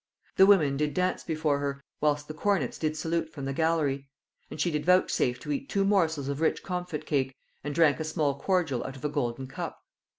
The women did dance before her, whilst the cornets did salute from the gallery; and she did vouchsafe to eat two morsels of rich comfit cake, and drank a small cordial out of a golden cup.